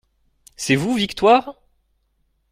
C’est vous Victoire ?